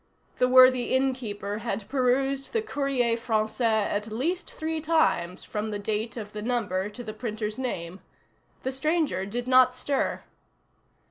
The worthy inn keeper had perused the Courrier Français at least three times, from the date of the number to the printer's name. The stranger did not stir.